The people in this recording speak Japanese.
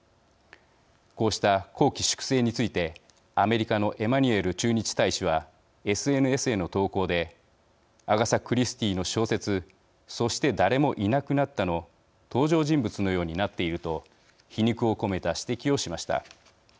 こうした綱紀粛正についてアメリカのエマニュエル駐日大使はＳＮＳへの投稿で「アガサ・クリスティの小説そして誰もいなくなったの登場人物のようになっている」と皮肉を込めた指摘をしました。